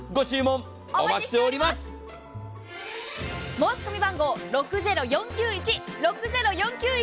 申し込み番号６０４９１６０４９１。